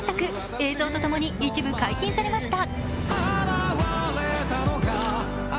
映像とともに一部解禁されました。